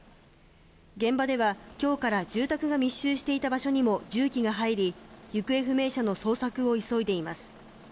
現場では今日から住宅が密集していた場所にも重機が入り、行方不明者の捜索を急いでいます。